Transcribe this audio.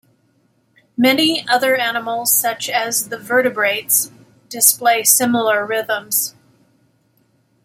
Many other animals such as the vertebrates, display similar rhythms.